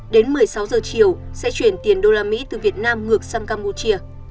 đến một mươi sáu giờ chiều sẽ chuyển tiền đô la mỹ từ việt nam ngược sang campuchia